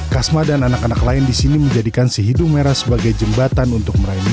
kasma dan anak anak lain di sini menjadikan si hidung merah sebagai jembatan untuk meraih mini